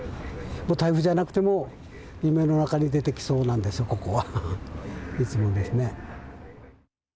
台風じゃなくても、夢の中に出てきそうなんです、ここは、いつもですね。